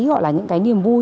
gọi là những cái niềm vui